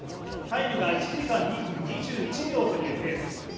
タイムが１時間２分２１秒というーペース